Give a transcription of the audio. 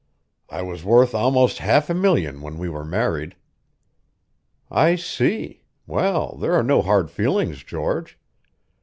I was worth almost half a million when we were married." "I see. Well, there are no hard feelings, George.